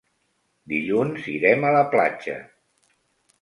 Dilluns irem a la platja.